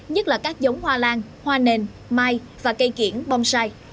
nhất là các giống hoa lan hoa nền mai và cây kiển bong sai